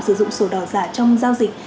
sử dụng sổ đỏ giả trong giao dịch